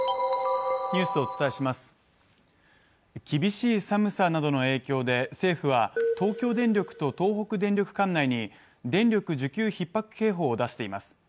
厳しい寒さなどの影響で政府は東京電力と東北電力管内に電力需給ひっ迫警報を出しています。